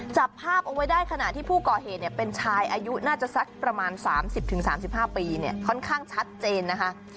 จับภาพเอาไว้ได้ขณะที่ผู้ก่อเหตุเนี่ยเป็นชายอายุน่าจะสักประมาณ๓๐๓๕ปีเนี่ยค่อนข้างชัดเจนนะคะ